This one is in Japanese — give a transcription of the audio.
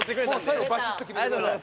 最後バシッと決めてください。